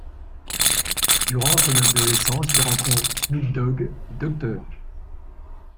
Durant son adolescence, il rencontre Snoop Dogg et Dr.